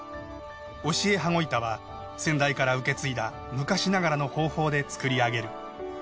押絵羽子板は先代から受け継いだ昔ながらの方法で作り上げる。